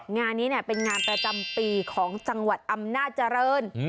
งานนี้เป็นงานประจำปีของจังหวัดอำนาจริง